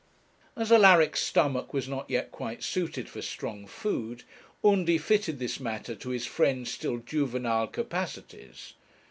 As Alaric's stomach was not yet quite suited for strong food, Undy fitted this matter to his friend's still juvenile capacities.